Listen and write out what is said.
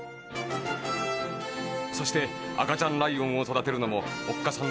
そしてあかちゃんライオンをそだてるのもおっかさん